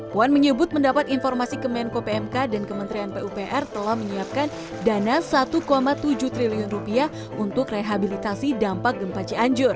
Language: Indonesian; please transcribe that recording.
puan menyebut mendapat informasi kemenko pmk dan kementerian pupr telah menyiapkan dana rp satu tujuh triliun untuk rehabilitasi dampak gempa cianjur